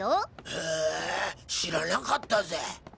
へぇ知らなかったぜ。